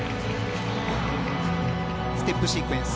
ステップシークエンス。